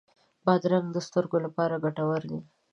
بادرنګ د سترګو لپاره ګټور دی.